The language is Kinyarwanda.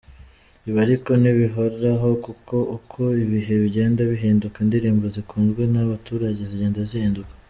Ibi ariko ntibihoraho kuko uko ibihe bigenda bihinduka indirimbo zikunzwe n’abaturage zigenda zihinduka.